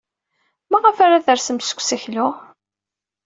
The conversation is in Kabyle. Maɣef ara tersemt seg usakal?